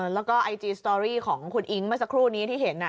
แล้วก็ไอจีสตอรี่ของคุณอิ๊งเมื่อสักครู่นี้ที่เห็น